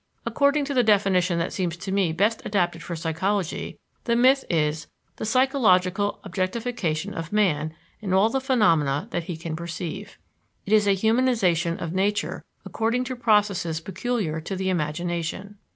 According to the definition that seems to me best adapted for psychology, the myth is "the psychological objectification of man in all the phenomena that he can perceive." It is a humanization of nature according to processes peculiar to the imagination.